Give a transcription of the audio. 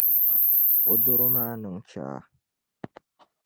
O dɔro maa niŋ chaa.